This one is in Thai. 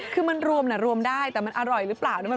คือมันรวมน่ะรวมได้แต่มันอร่อยหรือเปล่ามันไม่รู้น่ะ